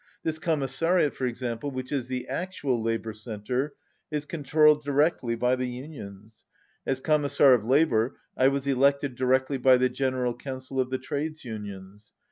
This Commissariat, 170 for example, which is the actual labour centre, is controlled directly by the unions. As Commissar of Labour, I was elected directly by the General Council of the Trades Unions.